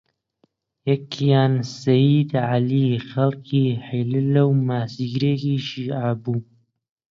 یەکیان سەیید عەلی، خەڵکی حیللە و ماسیگرێکی شیعە بوو